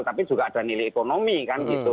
tapi juga ada nilai ekonomi kan gitu